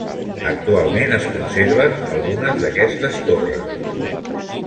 Actualment es conserven algunes d'aquestes torres.